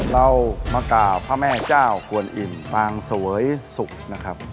เรามากล่าวพระแม่เจ้ากวนอิ่มปางสวยสุขนะครับ